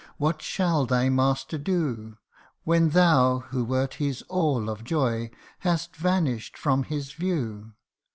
what shall thy master do, When thou who wert his all of joy, hast vanished from his view